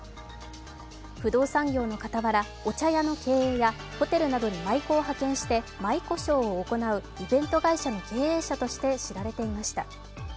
不動産業の傍ら、お茶屋の経営やホテルなどに舞妓を派遣して舞妓ショーを行うイベント会社の経営者として知られていました。